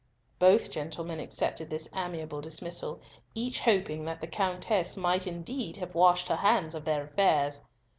Both gentlemen accepted this amiable dismissal, each hoping that the Countess might indeed have washed her hands of their affairs.